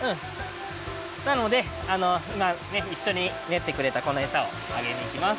なのでいまいっしょにねってくれたこのエサをあげにいきます。